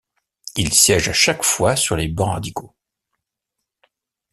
Il siège à chaque fois sur les bancs radicaux.